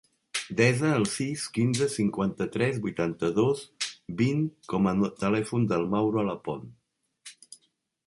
Desa el sis, quinze, cinquanta-tres, vuitanta-dos, vint com a telèfon del Mauro Alapont.